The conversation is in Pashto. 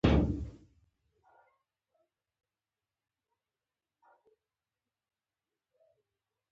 توري هغه يوونونه دي چې په لیدني حس پورې اړه لري